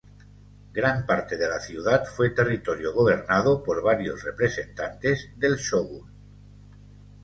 Gran parte de la ciudad fue territorio gobernado por varios representantes del Shogun.